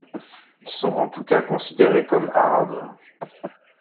Ils sont en tout cas considérés comme arabes.